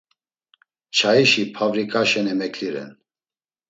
Çaişi pavriǩaşen emeǩli ren.